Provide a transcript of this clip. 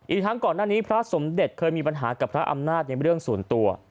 อีกทั้งก่อนหน้านี้พระสมเด็จเคยมีปัญหากับพระอำนาจในเรื่องส่วนตัว